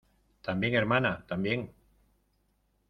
también, hermana , también.